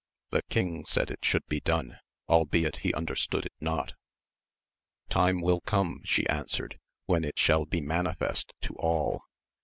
The king said it should be done, albeit he understood it not. Time will come, she answered, when it shall be manifest to all.